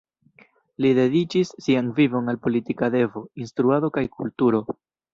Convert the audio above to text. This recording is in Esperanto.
Li dediĉis sian vivon al politika devo, instruado kaj kulturo.